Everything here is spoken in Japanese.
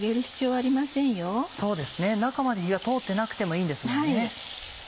中まで火が通ってなくてもいいんですもんね。